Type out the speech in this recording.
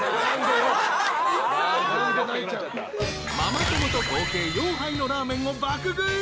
［ママ友と合計４杯のラーメンを爆食い］